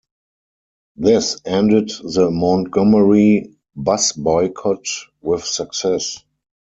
This ended the Montgomery Bus Boycott with success.